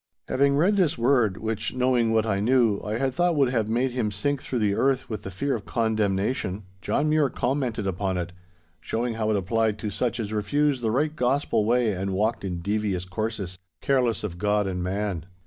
"' Having read this word, which, knowing what I knew, I had thought would have made him sink through the earth with the fear of condemnation, John Mure commented upon it, showing how it applied to such as refused the right gospel way and walked in devious courses, careless of God and man.